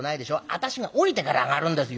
私が下りてから上がるんですよ」。